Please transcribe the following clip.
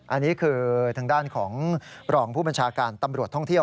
อันนี้คือทางด้านของรองผู้บัญชาการตำรวจท่องเที่ยว